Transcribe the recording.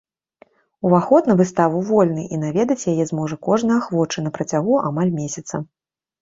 Уваход на выставу вольны і наведаць яе зможа кожны ахвочы на працягу амаль месяца.